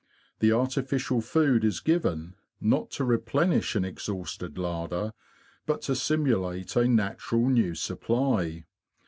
The artificial food is given, not to replenish an exhausted larder, but to simulate a natural new supply.